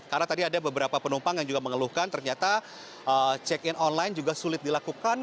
karena tadi ada beberapa penumpang yang juga mengeluhkan ternyata check in online juga sulit dilakukan